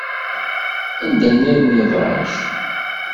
Anda-nniḍen iḍac.